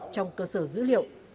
trong cơ sở dữ liệu